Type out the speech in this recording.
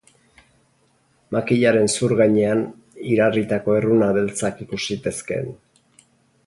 Makilaren zur gainean, irarritako erruna beltzak ikus zitezkeen.